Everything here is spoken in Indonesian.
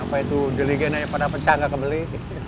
apa itu jeligen aja pada pecah nggak kebeli